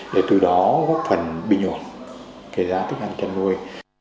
để từ đó góp phần bình ổn cái giá thức ăn chăn nuôi